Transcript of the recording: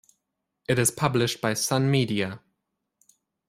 It is published by Sun Media.